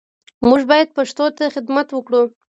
موږ باید پښتو ته خدمت وکړو